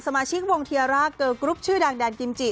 สมาชิกวงเทียร่าเกอร์กรุ๊ปชื่อดังแดนกิมจิ